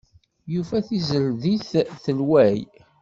Yufa tizeldit telway.